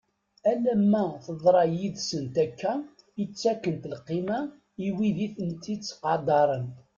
Alamma teḍra yid-sent akka i ttakent lqima i wid i tent-itt-qadaren.